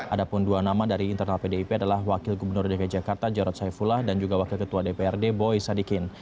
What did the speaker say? ada pun dua nama dari internal pdip adalah wakil gubernur dki jakarta jarod saifullah dan juga wakil ketua dprd boy sadikin